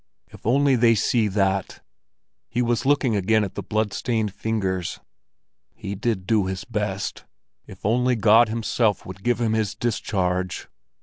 If only they see that!"—he was looking again at the blood stained fingers. "He did do his best. If only God Himself would give him his discharge!"